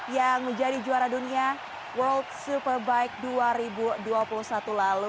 yang menjadi juara dunia world superbike dua ribu dua puluh satu lalu